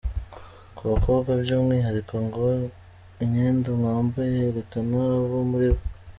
Ku bakobwa by’umwihariko, ngo imyenda mwambaye yerekana abo muri bo.